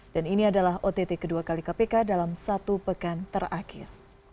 dan ini adalah ott kedua kali kpk dalam satu pekan terakhir